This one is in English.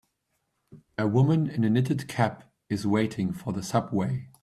A woman in a knitted cap is waiting for the subway.